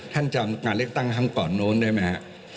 ท่านจำการเลือกตั้งทั้งก่อนโน้นได้มั้ย